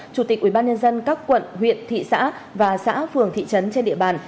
chủ tịch ubnd các quận huyện thị xã và xã phường thị trấn trên địa bàn